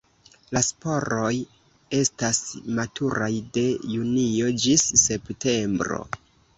La sporoj estas maturaj de junio ĝis septembro.